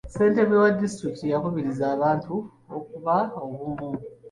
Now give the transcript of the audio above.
Ssentebe wa disitulikiti yakubirizza abantu okuba obumu.